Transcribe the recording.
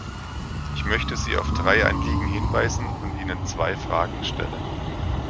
Ich möchte Sie auf drei Anliegen hinweisen und Ihnen zwei Fragen stellen.